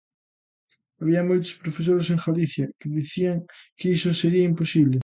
Había moitos profesores en Galicia que dicían que iso sería imposible.